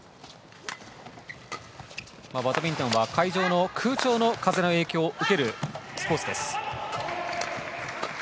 バドミントンは会場の空調の風の影響を受けるスポーツです。